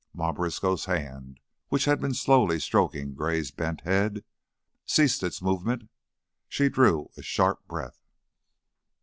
Ma Briskow's hand, which had been slowly stroking Gray's bent head, ceased its movement; she drew a sharp breath.